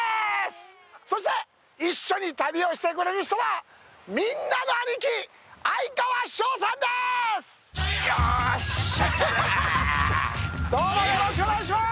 そして、一緒に旅をしてくれる人は、みんなの兄貴、哀川翔さんです！